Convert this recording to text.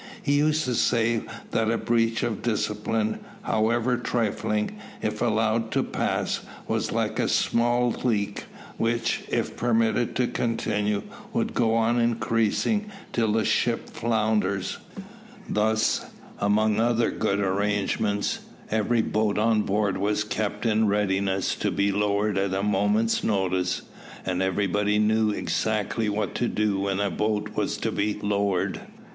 He used to say that a breach of discipline, however trifling, if allowed to pass, was like a small leak, which, if permitted to continue, will go on increasing till the ship founders. Thus, among other good arrangements, every boat on board was kept in readiness to be lowered at a moment's notice, and everybody knew exactly what to do when a boat was to be lowered.